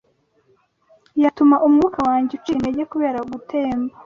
yatuma Umwuka wanjye ucika intege kubera gutemba